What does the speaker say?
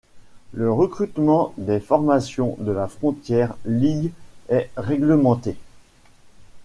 Le recrutement des formations de la Frontier League est règlementé.